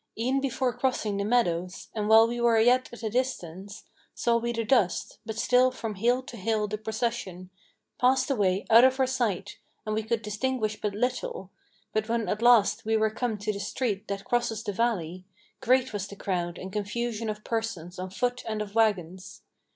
E'en before crossing the meadows, and while we were yet at a distance, Saw we the dust; but still from hill to hill the procession Passed away out of our sight, and we could distinguish but little, But when at last we were come to the street that crosses the valley, Great was the crowd and confusion of persons on foot and of wagons.